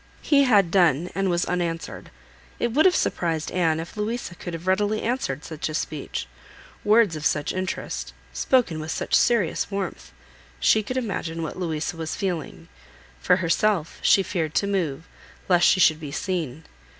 He had done, and was unanswered. It would have surprised Anne if Louisa could have readily answered such a speech: words of such interest, spoken with such serious warmth! She could imagine what Louisa was feeling. For herself, she feared to move, lest she should be seen.